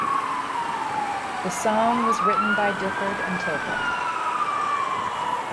The song was written by Difford and Tilbrook.